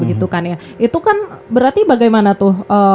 itu kan berarti bagaimana tuh